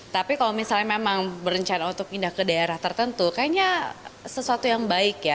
tapi kalau misalnya memang berencana untuk pindah ke daerah tertentu kayaknya sesuatu yang baik ya